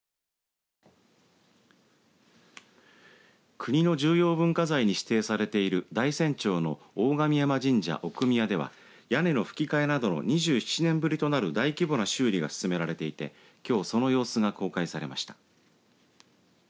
国の重要文化財に指定されている大山町の大神山神社奥宮では屋根のふき替えなどの２７年ぶりとなる大規模な修理が進められていてきょうその様子が公開されました。